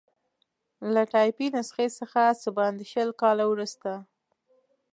له ټایپي نسخې څخه څه باندې شل کاله وروسته.